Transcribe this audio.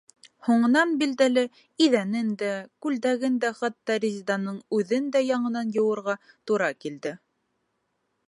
Һуңынан, билдәле, иҙәнен дә, күлдәген дә, хатта Резеданың үҙен дә яңынан йыуырға тура килде.